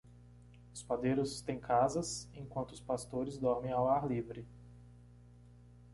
Os padeiros têm casas? enquanto os pastores dormem ao ar livre.